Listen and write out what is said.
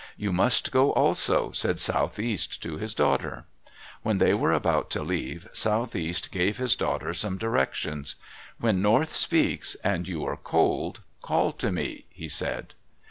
"You must go also," said Southeast to his daughter. When they were about to leave, Southeast gave his daughter some directions. "When North speaks, and you are cold, call to me," he said.